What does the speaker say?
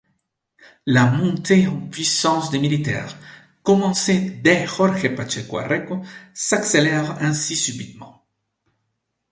La montée en puissance des militaires, commencée dès Jorge Pacheco Areco, s'accélère ainsi subitement.